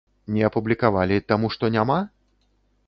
Не апублікавалі, таму што няма?